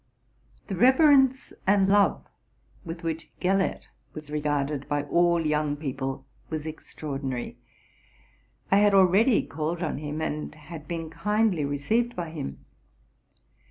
The reverence and love with which Gellert was regarded by all young people was extraordinary. I had already "called on him, and had been kindly received by him.